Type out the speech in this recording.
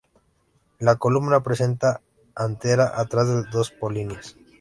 La columna presenta antera atrás con dos polinias.